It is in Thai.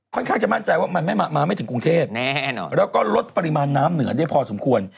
ข้างจะมั่นใจว่ามันไม่มาไม่ถึงกรุงเทพแล้วก็ลดปริมาณน้ำเหนือได้พอสมควร